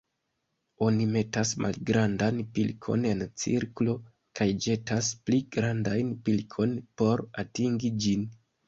Oni metas malgrandan pilkon en cirklo kaj ĵetas pli grandajn pilkon por atingi ĝin.